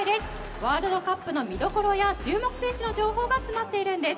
ワールドカップの見どころや注目選手の情報が詰まっているんです。